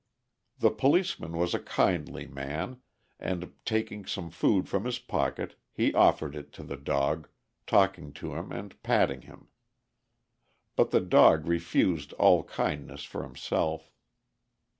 The policeman was a kindly man, and, taking some food from his pocket, he offered it to the dog, talking to him and patting him. But the dog refused all kindness for himself.